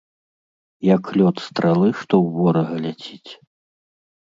Як лёт стралы, што ў ворага ляціць.